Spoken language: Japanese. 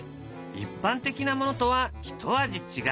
一般的なものとは一味違う。